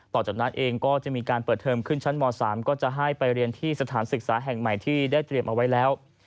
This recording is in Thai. ต่อจากนั้นเองก็จะมีการเปิดเทอมขึ้นชั้นม๓ก็จะให้ไปเรียนที่สถานศึกษาแห่งใหม่ที่ได้เตรียมเอาไว้แล้ว